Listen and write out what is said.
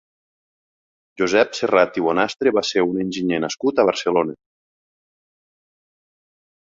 Josep Serrat i Bonastre va ser un enginyer nascut a Barcelona.